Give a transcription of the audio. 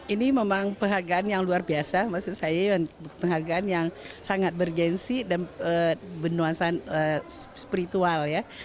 ini memang penghargaan yang luar biasa maksud saya penghargaan yang sangat bergensi dan benuasan spiritual ya